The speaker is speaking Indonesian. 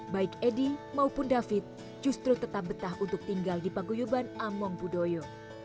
baik edi maupun david justru tetap betah untuk tinggal di paguyuban among pudoyo